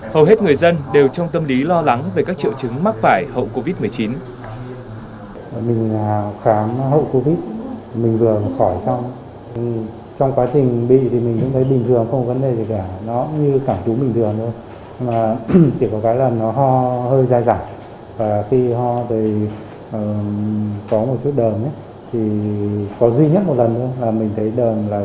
hầu hết người dân đều trong tâm lý lo lắng về các triệu chứng mắc vải hậu covid một mươi chín